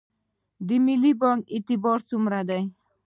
د ملي بانک اعتبار څومره دی؟